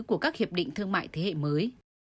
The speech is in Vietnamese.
của các hiệp định thương mại thế hệ mới